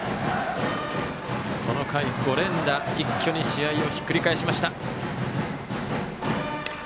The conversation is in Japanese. この回、５連打一挙に試合をひっくり返しました。